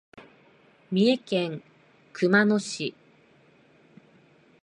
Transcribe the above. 三重県熊野市